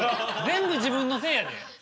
全部自分のせいやで。